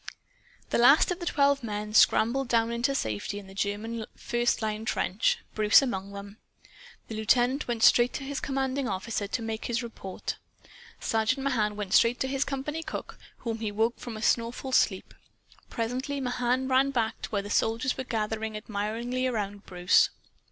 The last of the twelve men scrambled down to safety, in the American first line trench, Bruce among them. The lieutenant went straight to his commanding officer, to make his report. Sergeant Mahan went straight to his company cook, whom he woke from a snoreful sleep. Presently Mahan ran back to where the soldiers were gathered admiringly around Bruce.